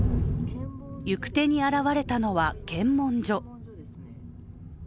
行く手に現れたのは検問所。